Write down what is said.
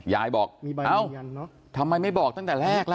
ยายบอกอ้าวความสัมใจทำไมไม่บอกตั้งแต่แรกล่ะ